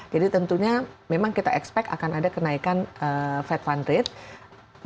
jadi tentunya memang kita expect akan ada kenaikan fed fund rate